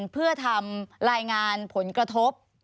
เพื่อทำรายงานผลกระทบ